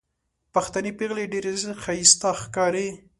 پښتنې پېغلې ډېرې ښايستې ښکاري